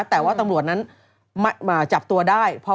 แต่ว่าตำรวจนั้นจับตัวได้